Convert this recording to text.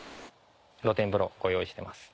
露天風呂ご用意してます。